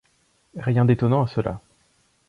Rien d'étonnant à cela.